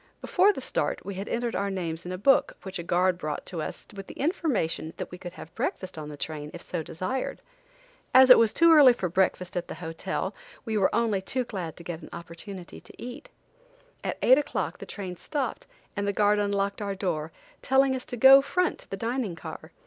Before the start, we had entered our names in a book which a guard brought to us with the information that we could have breakfast on the train if so desired. As it was too early for breakfast at the hotel, we were only too glad to get an opportunity to eat. At eight o'clock the train stopped and the guard unlocked our door, telling us to go front to the dining car.